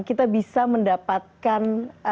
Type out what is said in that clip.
kita bisa mendapatkan